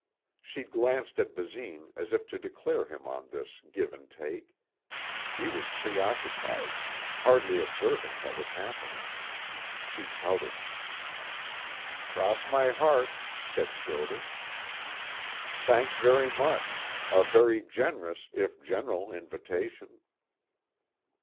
She glanced at Basine as if to declare him in on this give and take. He was preoccupied, hardly observing what was happening. She pouted. "Cross my heart," said Schroder. "Thanks very much. A very generous, if general invitation."